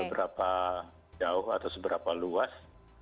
seberapa jauh atau seberapa luas